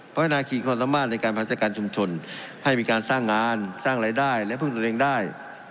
พัฒนาขีดความสามารถในการพัฒนาการชุมชนให้มีการสร้างงานสร้างรายได้และพึ่งตัวเองได้